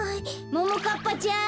ももかっぱちゃん。